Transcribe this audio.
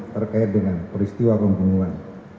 terkait dengan peristiwa pemunuhan